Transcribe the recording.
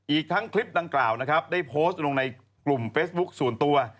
อีกทั้งคลิปดังกล่าวนะครับได้โพสต์ลงในกลุ่มเฟซบุ๊คส่วนตัว